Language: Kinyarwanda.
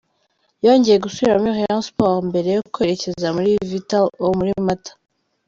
Yongeye gusubira muri Rayon Sports mbere yo kwerekeza muri Vital’O muri Mata.